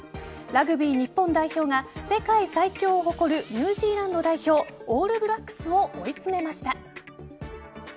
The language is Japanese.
ラグビー日本代表が世界最強を誇るニュージーランド代表オールブラックスを追い詰めました。